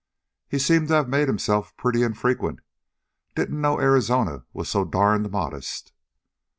"He seems to have made himself pretty infrequent. Didn't know Arizona was so darned modest."